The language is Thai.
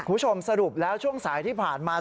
คุณผู้ชมสรุปแล้วช่วงสายที่ผ่านมา